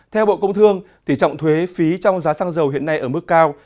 theo bộ công thương tỷ trọng thuế phí trong giá xăng dầu hiện nay ở mức cao